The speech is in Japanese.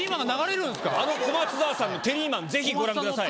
あの小松沢さんの「テリーマン」ぜひご覧ください。